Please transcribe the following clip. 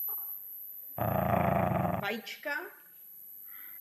Nyní se zřejmě domníváte, že nastal ten správný čas.